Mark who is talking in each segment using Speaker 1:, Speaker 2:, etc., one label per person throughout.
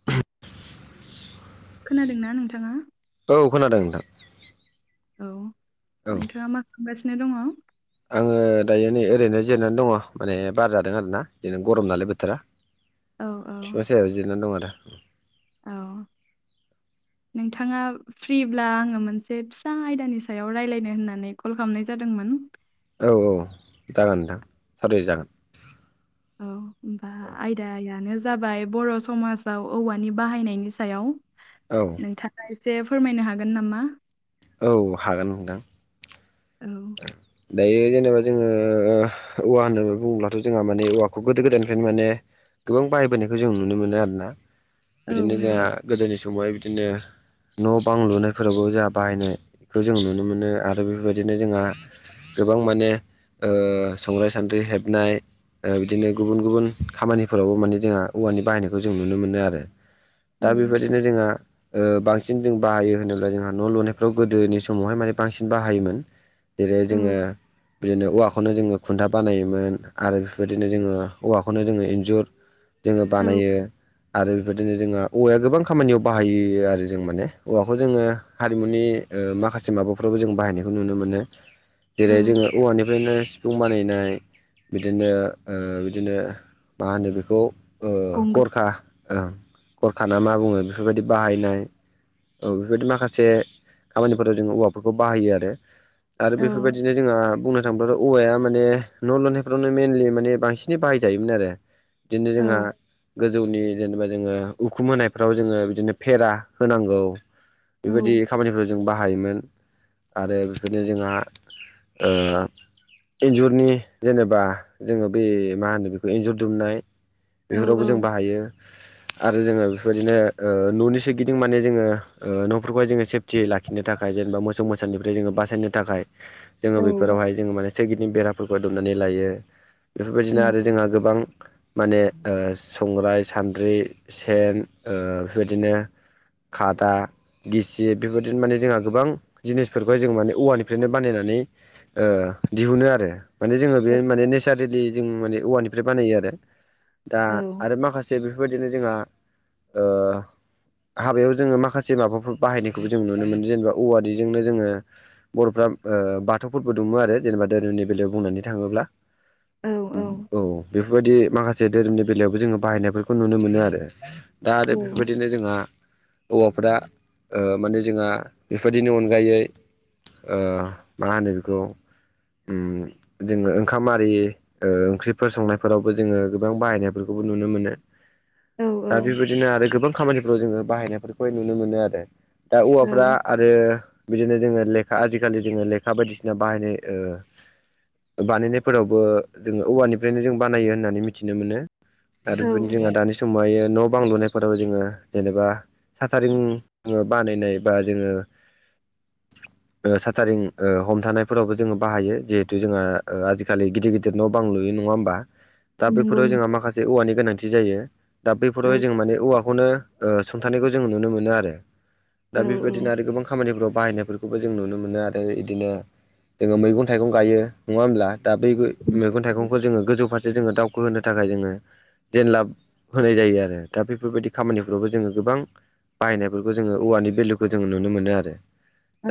Speaker 1: [inaudible]
Speaker 2: खोनादों ना नोंथाङा?
Speaker 1: औ खोनादों नोंथां।
Speaker 2: औ
Speaker 1: औ
Speaker 2: नोंथाङा मा खालामगासिनो दङ?
Speaker 1: आङो दायो नै ओरैनो जेननानै दङ माने बार जादों आरोना इदिनो गरम नालाय बोथोरा।
Speaker 2: [inaudible]
Speaker 1: फिफां सायायाव जिरायनानै दं आरो।
Speaker 2: औ नोंथाङा फ्रिब्ला आङो मोनसे फिसा आयदानि सायाव राय्लायनो होननानै कल खालामनाय जादोंमोन।
Speaker 1: औ औ जागोन नोंथां सावरायजागोन।
Speaker 2: औ। होमबा आयदायानो जाबाय बर' समाजाव औवानि बाहायनायनि सायाव।
Speaker 1: औ।
Speaker 2: नोंथाङा एसे फोरमायनो हागोन नामा?
Speaker 1: औ हागोन नोंथां।
Speaker 2: औ।
Speaker 1: दायो जेनेबा जोङो ओ। औवा होननानै बुङोब्लाथ' जोंहा माने औवाखौ गोदो गोदायनिफ्रायनो मानो गोबां बाहायबोनायखौ जों नुनो मोनो आरोना
Speaker 2: औ
Speaker 1: बिदिनो
Speaker 2: नंगौ
Speaker 1: जोंहा गोदोनि समावहाय बिदिनो न' बां लुनायफोरावबो जोंहा बाहायनायखौ जों नुनो मोनो आरो बेफोरबायदिनो जोंहा गोबां माने ओ संराइ सान्द्रि हेबनाय ओ बिदिनो गुबुन गुबुन खामानिफोरावबो माने जोंहा औवानि बाहायनायखौ जों नुनो मोनो आरो
Speaker 2: औ
Speaker 1: दा बेबायदिनो जोंहा ओ बांसिन जों बाहायो होनोब्ला जोंहा न' लुनायफ्राव गोदोनि समावहाय माने बांसिन बाहायोमोन जेरैहाय जोङो
Speaker 2: औ
Speaker 1: बिदिनो औवा खौनो जोङो खुन्था बानायोमोन आरो बेफोबायदिनो जोङो औवाखौनो जोङो इन्जुर जोङो
Speaker 2: औ
Speaker 1: बानायो आरो बेफोर [unintelligible] जोंहा औवाया गोबां खामानियाव बाहायो आरो जों माने औवाखौ जोङो हारिमुनि ओ माखासे माबाफ्रावबो जों बाहायनायखौ नुनो मोनो
Speaker 2: औ
Speaker 1: जेरै जोङो औवानिफ्रायनो जुं बानायनाय बिदिनो ओ बिदिनो मा होनो बेखौ ओ
Speaker 2: गंगो
Speaker 1: गरखा ओ गरखा ना मा बुङो बेफोरबायदि बाहायनाय औ बेफोरबायदि माखासे खामानिफोराव जों औवाफोरखौ बाहायो आरो आरो
Speaker 2: औ
Speaker 1: बेफोरबायदिनो जोंहा बुंनो थांबाथ' औवाया माने न' लुनायफ्रावनो मेनलि माने बांसिनै बाहायजायोमोन आरो दिनो जोंहा गोजौनि जेनेबा जोङो उखुम होनायफ्राव जोङो बिदिनो फेरा होनांगौ
Speaker 2: औ
Speaker 1: बेबायदि खामानिफोराव जों बाहायोमोन आरो बेफोरनो जोंहा ओ इन्जुरनि जेनेबा जोङो बे मा होनो बेखौ इन्जुर दुमनाय
Speaker 2: औ
Speaker 1: बेफोरावबो जों
Speaker 2: औ
Speaker 1: बाहायो आरो जोङो बेफोरबायदिनो ओ न'नि सोरगिदिं माने जोङो ओ न'फोरखौहाय जोङो सेफ थि लाखिनो थाखाय जेनेबा मोसौ मोसानिफ्राय जोङो बास [unintelligible] थाखाय जोङो
Speaker 2: औ
Speaker 1: बेफोरावहाय जोङो माने सोगिदिनि बेराफोरखौ दुमनानै लायो बेफोरबायदिनो आरो
Speaker 2: नंगौ
Speaker 1: जोंहा गोबां माने ओ संग्राय सान्द्रि सेन ओ बेफोरबायदिनो खादा गिसिब बेफोरबायदि माने जोंहा गोबां जिनिसफोरखौहाय जों माने औवानिफ्रायनो बानायनानै ओ दिहुनो आरो माने जोङो बे
Speaker 2: औ
Speaker 1: माने नेसारेलि जों माने औवानिफ्राय बानायो आरो दा
Speaker 2: औ
Speaker 1: आरो माखास जे बेफोरबायदिनो जोंहा ओ हाबायाव जोङो माखासे माबाफोर बाहायनायखौबो जों नुनो मोनो जेनेबा औवानिजोंनो जोङो बर'फ्रा ओ बाथौफोरबो दुङो आरो जेनेबा धोरोमनि बेलायाव बुंनानै थाङोब्ला
Speaker 2: औ
Speaker 1: औ बेफोरबायदि माखास जे धोरोमनि बेलायावबो जोङो बाहायनायफोरखौ नुनो मोनो आरो दा आरो बेफोरबायदिनो जोंहा औवाफ्रा ओ माने जोंहा बेफोर बायदिनि अनगायै ओ मा होनो बिखौ उम जोङो ओंखाम आरि ओ ओंख्रिफोर संनायफोरावबो जोङो गोबां बाहायनायफोरखौबो नुनो मोनो
Speaker 2: औ
Speaker 1: दा बेबायदिनो आरो गोबां खामानिफ्राव जोङो बाहायनायफोरखौहाय नुनो मोनो आरो दा
Speaker 2: औ
Speaker 1: औवाफ्रा आरो बिदिनो जोङो लेखा आजिखालि जोङो लेखा बायदिसिना बाहायनाय ओ बानायनायफोरावबो जोङो औवानिफ्रायनो जों बानायो होननानै मिथिनो मोनो
Speaker 2: औ
Speaker 1: आरो [unintelligible] जोंहा दानि समावहायो न' बां लुनायफोराव जोङो जेनेबा साथारिं बानायनाय बा जोङो ओ साटारिं ओ हमथानायफोरावबो जोङो बाहायो जेहेथु जोङो ओ आजिखालि गिदिर गिदिर न' बांलुयो नङा होमबा
Speaker 2: [inaudible]
Speaker 1: दा बैफोराव
Speaker 2: नों
Speaker 1: जोंहा माखासे औवानि गोनांथि जायो दा
Speaker 2: औ
Speaker 1: बैफोराव जों माने औवाखौनो ओ सुंथानायखौ जों नुनो मोनो आरो दा
Speaker 2: औ
Speaker 1: बेफोरबादिनो आरो गोबां खामानिफोराव बाहायनायफोर जों नुनो मोनो आरो इदिनो जोङो मैगं थाइगं गायो नङा होमब्ला दा बैबो मैगं थाइगंखौ जोङो गोजौ फारसे जोङो दावखो होनो थाखाय जोङो जेनलाब होनाय जायो आरो दा बेफोरबायदि खामानिफ्रावबो जोङो गोबां बाहायनायफोरखौ जोंङो औवानि भेलुखौ जोंङो नुनो मोनो आरो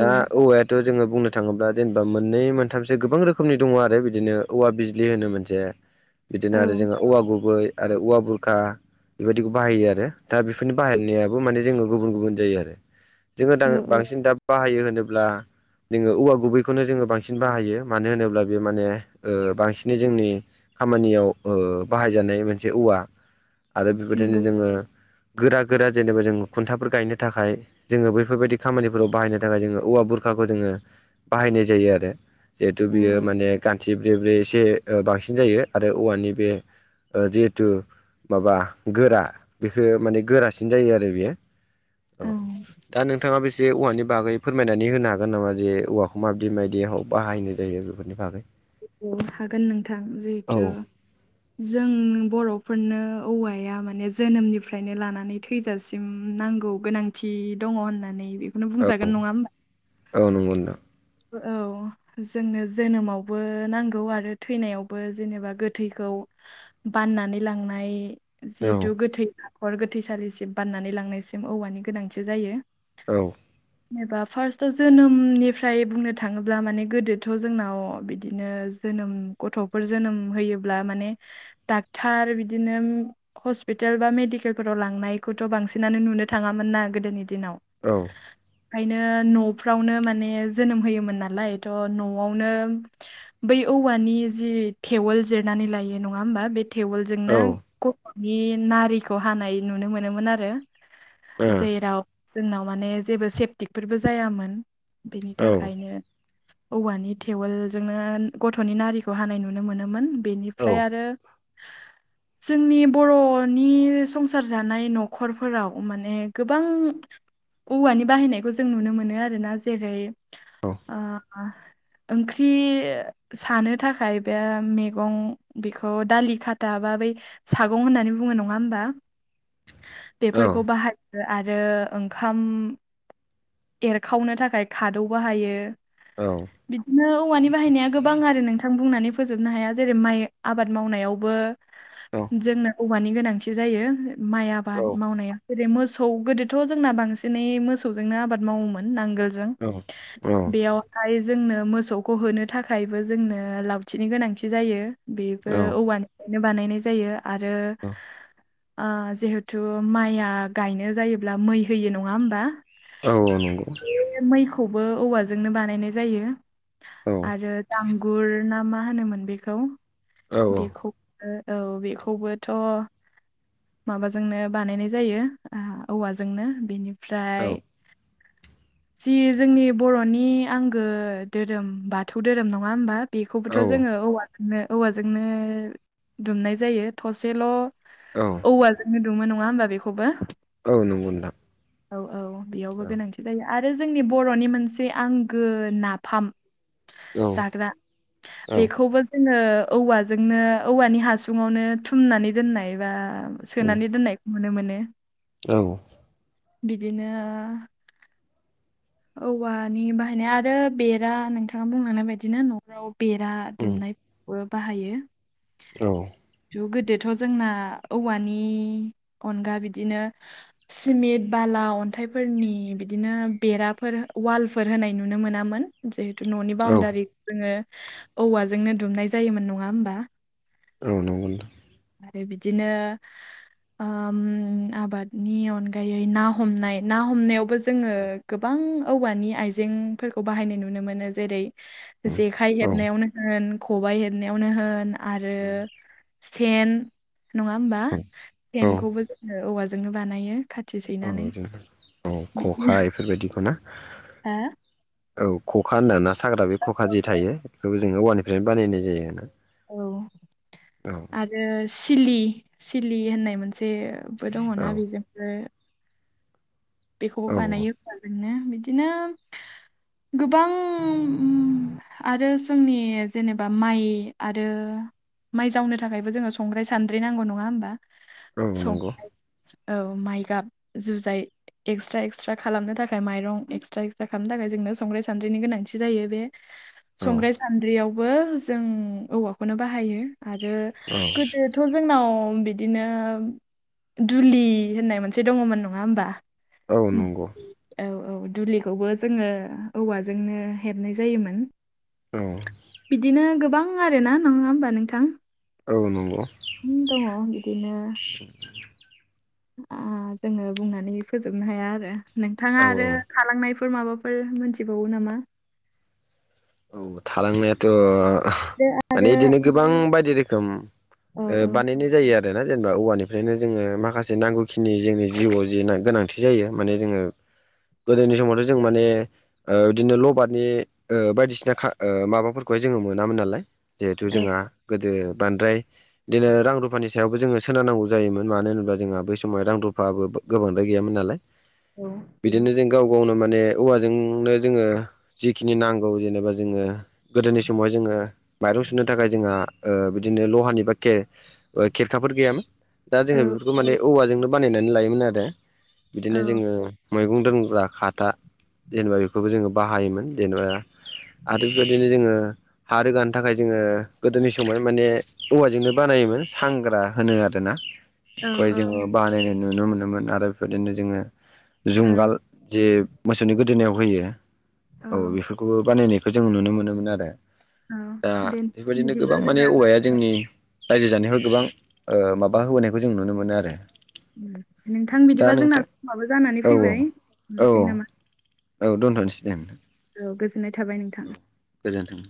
Speaker 1: दा औवाया थ' जोंङो बुंनो थाङोब्ला जेनेबा मोननै मोनथामसो गोबां रोखोमनि दङ आरो बिदिनो औवा बिज्लि होनो मोनसे
Speaker 2: [inaudible]
Speaker 1: बिदिनो आरो जोंहा औवा गुबै आरो औवा बुरखा बेबायदिखौ बाहायो आरो दा बेफोरनि बाहायनायाबो माने जोंङो गुबुन गुबुन जायो आरो। जोंङो दा
Speaker 2: औ औ
Speaker 1: बांसिन दा बाहायो होनोब्ला जोंङो औवा गुबैखौनो जोंङो बांसिन बाहायो मानो होनोब्ला बे माने ओ बांसिनै जोंनि खामानियाव ओ बाहायजानाय मोनसे औवा आरो बेबायदिनो
Speaker 2: नंगौ
Speaker 1: जोंङो गोरा गोरा जेनेबा जों खुन्थाफोर गायनो थाखाय जोंङो बैफोरबायदि खामानिफोराव बाहायनो थाखाय जोंङो औवा बुरखाखौ जोंङो बाहायनाय जायो आरो जिहेथु
Speaker 2: औ
Speaker 1: बियो माने गान्थि ब्रे ब्रे एसे ओ बांसिन जायो आरो औवानि बे ओ जिहेथु माबा गोरा बेखौ माने गोरासिन जायो आरो बेयो। औ दा नोंथाङा बेसे औवानि बागै फोरमायनानै होनो हागोन नामा जे औवाखौ माबायदि माबायदिआव बाहायनाय जायो बेफोरनि बागै?
Speaker 2: औ हागोन नोंथां
Speaker 1: औ
Speaker 2: जिहेथु जों बर'फोरनो औवाया माने जोनोमनिफ्रायनो लानानै थैजासिम नांगौ गोनांथि दङ होननानै बे
Speaker 1: औ औ नंगौ नोंथां।
Speaker 2: औ। जोंनो जोनोमावबो नांगौ आरो थैनायावबो जेनेबा गोथैखौ बाननानै लांनाय
Speaker 1: औ
Speaker 2: जिहेथु गोथै हाखर गोथैसालिसिम बाननानै लांनायसिम औवानि गोनांथि जायो।
Speaker 1: औ।
Speaker 2: जेनेबा फार्स्टआव जोनोमनिफ्राय फ्राय बुंनो थाङोब्ला माने गोदोथ' जोंनाव बिदिनो जोनोम गथ' फोर जोनोम होयोब्ला माने डाक्टार बिदिनो हस्पिटेल बा मेडिकेलफोराव लांनायखौथ' बांसिनानो नुनो थाङामोन ना गोदोनि दिनाव।
Speaker 1: औ।
Speaker 2: ओंखायनो न'फ्रावनो माने जोनोम होयोमोन नालाय थ' न'आवनो बै औवानि जि थेवल जिरनानै लायो नङा होमबा बे टेवोलजोंनो गथ'नि नारिखौ हानाय नुनो मोनोमोन आरो।
Speaker 1: ओ
Speaker 2: जेराव जोंनाव माने जेबो सेफटिकफोरबो जायामोन बेनि थाखायनो औवानि टेवेलजोंनो गथ'नि नारिखौ हानाय नुनो मोनोमोन।
Speaker 1: औ औ
Speaker 2: बेनिफ्राय आरो जोंनि बर'नि संसार जानाय न'खरफोराव माने गोबां औवानि बाहायनायखौ जों नुनो मोनो आरो ना जेरै
Speaker 1: अ।
Speaker 2: आ ओंख्रि सानो थाखाय बे मैगं बेखौ दालि खा दाबा बै सागं होननानै बुङो नङा होमबा? बेफोरखौ बाहायो आरो ओंखाम एरखावनो थाखाय खा दौ बाहायो।
Speaker 1: औ।
Speaker 2: बिदिनो औवानि बाहायनाया गोबां आरो नोंथां बुंनानै फोजोबनो हाया जेरै माइ आबाद मावनायावबो जोंनो औवानि गोनांथि जायो माइ
Speaker 1: औ
Speaker 2: आबाद मावनायाव। जेरै मोसौ गोदोथ' जोंना बांसिनै मोसौजोंनो आबाद मावोमोन नांगोलजों।
Speaker 1: औ औ।
Speaker 2: बेयावहाय जोंनो मोसौखौ होनो थाखायबो जोंनो लावथिनि गोनांथि जायो। बेबो औवानिफ्रायनो बानायनाय जायो आरो ओ जिहेथु माइआ गायनो जायोब्ला मै होयो नङा होमबा?
Speaker 1: औ औ नंगौ
Speaker 2: मैखौबो औवाजोंनो बानायनाय जायो।
Speaker 1: औ
Speaker 2: आरो दांगुर ना मा होनोमोन बेखौ
Speaker 1: औ
Speaker 2: बेखौ औ बेखौबोथ' माबाजोंनो बानायनाय जायो औवाजोंनो बेनि
Speaker 1: औ
Speaker 2: ओमफ्राय जि जोंनि बर'नि आंगो धोरोम बाथौ धोरोम नङा होमबा
Speaker 1: औ
Speaker 2: बेखौबोथ'
Speaker 1: नंगौ
Speaker 2: जोङो औवा औवाजोंनो दुमनाय जायो थसेल'
Speaker 1: औ
Speaker 2: औवाजोंनो दुमो नङा होमबा बेखौबो?
Speaker 1: औ नंगौ नोंथां
Speaker 2: औ औ बेयावबो गोनांथि जायो आरो जोंनि बर'नि मोनसे आंगो नाफाम जाग्रा बेखौबो जोङो औवाजोंनो औवानि हासुङावनो थुमनानै दोननाय बा सोनानै दोननायखौ नुनो मोनो।
Speaker 1: औ औ
Speaker 2: बिदिनो औवानि बाहायनाय आरो बेरा नोंथाङा बुंलांनाय बाददिनो न'खराव बेरा दुमनाय बाहायो।
Speaker 1: औ
Speaker 2: ज गोदोथ' जोंना औवानि अनगा बिदिनो सिमेन्ट, बाला, अन्थाइफोरनि बिदिनो बेरा फोर वालफोर होनाय नुनो मोनामोन जिहेतु न'नि बाउण्डारि जोङो औवाजोंनो दुमनाय जायोमोन नङा होमबा
Speaker 1: औ नंगौ नोंथां
Speaker 2: आरो बिदिनो ओम आबादनि अनगायै ना हमनाय ना हमनायावबो जोङो गोबां औवानि आइजेंफोरखौ बाहायनाय नुनो मोनो। जेरै, जेखाइ हेबनायावनो होन खबायाइ हेबनायावनो होन आरो सेन नङा होमबा सेनखौबो जोङो औवाजोंनो बानायो खाथि
Speaker 1: औ
Speaker 2: सैनानै
Speaker 1: बिदिनो औ ख'खा बेफोरबायदिखौ ना
Speaker 2: हो
Speaker 1: औ खखा होनदों ना साग्रा बे खखा जे थायो बेखौबो जोङो औवानिफ्रायनो बानायनाय जायो आरोना।
Speaker 2: औ
Speaker 1: औ
Speaker 2: आरो सिलि -सिलि होननाय मोनसेबो दङ
Speaker 1: औ
Speaker 2: ना बेजोंबो बेखौबो बानायो
Speaker 1: औ
Speaker 2: खुवाजोंनो बिदिनो गोबां आरो जोंनि जेनेबा माइ आरो माइ जावनो थाखायबो जोङो संग्राय- सानद्रि नांगौ नङा होमबा??
Speaker 1: औ
Speaker 2: सं
Speaker 1: नंगौ
Speaker 2: औ माइ गाब जुजाय एक्सट्रा एक्सट्रा खालामनो थाखाय माइरं एक्सट्रा एक्सट्रा खालामनो थाखाय जोंनो संग्राय सान्द्ररिनि गोनांथि जायो। बे [inaudible]
Speaker 1: औ
Speaker 2: संग्राय सान्द्रियावबो जों औवाखौनो बाहायो आरो
Speaker 1: औ
Speaker 2: गोदो थ' जोंनाव बिदिनो दुलि होननाय मोनसे दङमोन नङा होमबा?
Speaker 1: औ नंगौ
Speaker 2: औ औ दुलिखौबो जोङो औवाजोंनो हेबनाय जायोमोन।
Speaker 1: औ
Speaker 2: बिदिनो गोबां आरोना नङा होमबा नोंथां
Speaker 1: औ नंगौ
Speaker 2: दङ बिदिनो आं जोङो बुंनानै फोजोबनो हाया आरो
Speaker 1: औ
Speaker 2: नोंथाङा आरो थालांनायफोर माबाफोर मोनथिबावो नामा
Speaker 1: औ थालांनायाथ'
Speaker 2: दो
Speaker 1: माने
Speaker 2: आरो
Speaker 1: इदिनो गोबां बायदि रोखोम
Speaker 2: औ
Speaker 1: ओ बानायनो जायो आरोना जेनेबा औवानिफ्रायनो जोङो माखासे नांगौखिनि जोंनि जिउआव जि गोनांथि बि जायो माने जोङो गोदोनि समावथ' जों माने ओ बिदिनो लबारनि ओ बायदिसिना दाखा ओ माबाफोरखौहाय जोङो मोनामोन नालाय जिहेथु
Speaker 2: औ
Speaker 1: जोंहा गोदो बांद्राय बिदिनो रां रुफानि सायाव जोङो सोनारनांगौ जायोमोन मानो होनोब्ला जोंहा बै समावाय रां रुफाबो गोबांद्राय गैयामोन नालाय
Speaker 2: औ
Speaker 1: बिदिनो जों गाव गावनो माने औवाजोंनो जोङो जिखिनि नांगौ जेनेबा जोङो गोदोनि समावहाय जोङो माइरं सुनो थाखाय जोंहा ओ बिदिनो लहानि बा के खेरखाफोर गैयामोन दा
Speaker 2: औ
Speaker 1: जोङो बेफोरखौ माने औवाजोंनो बानायनानै लायोमोन आरो बिदिनो जोङो मैगं दोनग्रा खादा जेनेबा बेखौबो जोङो बाहायोमोन जेनेबा आरो बेबायदिनो जोङो हा रोगानो थाखाय जोङो गोदोनि समाव माने औवाजोंनो बानायोमोन सांग्रा होनो आरोना
Speaker 2: औ
Speaker 1: [unintelligible] जोङो बानायनाय नुनो मोनोमोन आरो बेफोरदिनो जोङो
Speaker 2: औ
Speaker 1: जुंगाल जे मोसौनि गोदोनायाव होयो औ बेफोरखौबो बानायनाय बे जों नुनो मोनोमोन आरो
Speaker 2: औ
Speaker 1: दा
Speaker 2: दे
Speaker 1: बेबायदिनो
Speaker 2: बिदिब्ला
Speaker 1: गोबां माने
Speaker 2: जोंना
Speaker 1: औवाया जोंनि रायजो जानायाव गोबां ओ माबा होबोनायखौ जों नुनो मोनो आरो
Speaker 2: नोंथां
Speaker 1: दा
Speaker 2: बिदिबा जोंना
Speaker 1: नोंथां
Speaker 2: समाबो जानानै
Speaker 1: औ
Speaker 2: फैबाय
Speaker 1: औ
Speaker 2: दोननोसै नामा
Speaker 1: औ दोनथ'नोसै दे
Speaker 2: औ गोजोननाय थाबाय नोंथां
Speaker 1: गोजोनथों